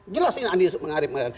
jelasin andi arief